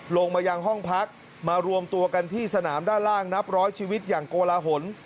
ลงมายังห้องพักมารวมตัวกันที่สนามด้านล่างนับร้อยชีวิตอย่างโกลาหล